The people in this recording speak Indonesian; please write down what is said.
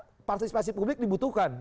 jadi partisipasi publik dibutuhkan